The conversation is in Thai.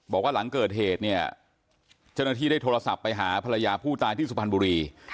บอกว่าหลังเกิดเหตุเนี่ยเจ้าหน้าที่ได้โทรศัพท์ไปหาภรรยาผู้ตายที่สุพรรณบุรี